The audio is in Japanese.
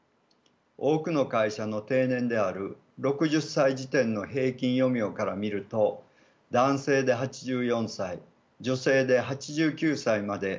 多くの会社の定年である６０歳時点の平均余命から見ると男性で８４歳女性で８９歳まで平均で生きるという計算になります。